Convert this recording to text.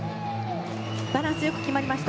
バランスよく決まりました。